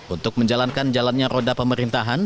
untuk menjalankan jalannya roda pemerintahan